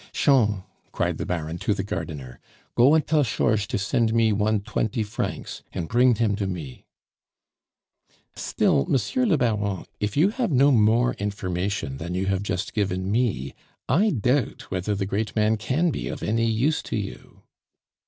"Shean," cried the Baron to the gardener, "go and tell Chorge to sent me one twenty francs, and pring dem to me " "Still, Monsieur le Baron, if you have no more information than you have just given me, I doubt whether the great man can be of any use to you."